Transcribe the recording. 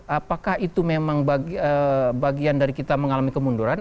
apakah itu memang bagian dari kita mengalami kemunduran